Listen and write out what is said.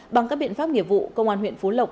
bằng các biện pháp nghiệp vụ công an huyện phú lộc